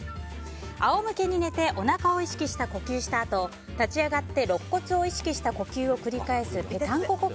仰向けに寝ておなかを意識した呼吸をしたあと立ち上がって肋骨を意識した呼吸を繰り返すペタンコ呼吸。